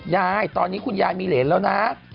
ยายตอนนี้คุณยายมีเหรนแล้วนะ